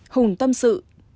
hùng tâm sự